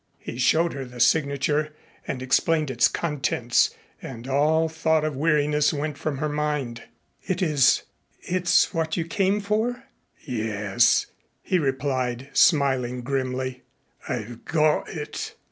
He showed her the signature and explained its contents and all thought of weariness went from her mind. "It is it's what you came for?" "Yes," he replied, smiling grimly. "I've got it."